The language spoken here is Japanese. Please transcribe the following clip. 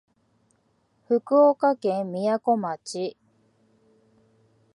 福岡県みやこ町